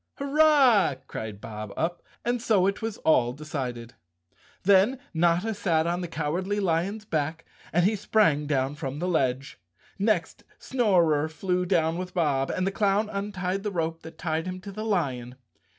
" Hurrah 1" cried Bob Up, and so it was all decided. Then Notta sat on the Cowardly Lion's back and he sprang down from the ledge. Next Snorer flew down with Bob, and the clown untied the rope that tied him to the lion.